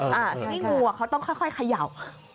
นี่งูเขาต้องค่อยขย่าว